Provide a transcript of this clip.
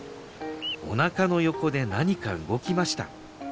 おなかの横で何か動きました。